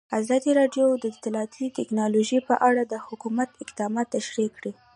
ازادي راډیو د اطلاعاتی تکنالوژي په اړه د حکومت اقدامات تشریح کړي.